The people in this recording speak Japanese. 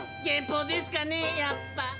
減俸ですかねやっぱ？